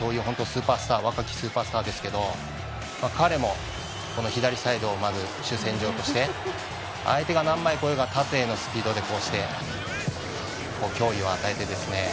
スーパースター若きスーパースターですけど彼も左サイドをまず主戦場として相手が何枚来ようが縦のスピードでかわして脅威を与えてですね